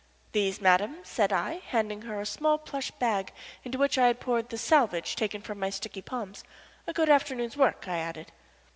"These, madam," said I, handing her a small plush bag into which I had poured the "salvage" taken from my sticky palms. "A good afternoon's work," I added.